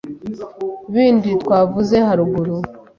bindi twavuze haruguru.